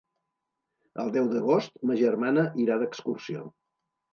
El deu d'agost ma germana irà d'excursió.